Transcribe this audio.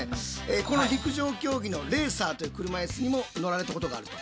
この陸上競技のレーサーという車いすにも乗られたことがあると。